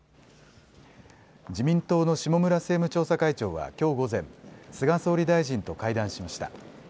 自民党の下村政務調査会長はきょう午前、菅総理大臣と会談しました。